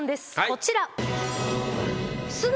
こちら。